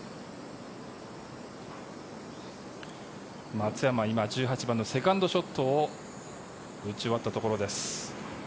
松山は今１８番のセカンドショットを打ち終わったところです。